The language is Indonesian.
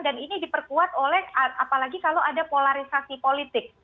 dan ini diperkuat oleh apalagi kalau ada polarisasi politik